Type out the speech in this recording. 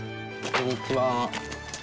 こんにちは。